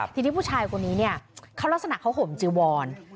ทีนี่ผู้ชายคนนี้เขาลักษณะเขาห่มจือวาน